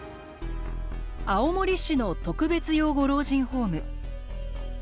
青森市の特別養護老人ホーム。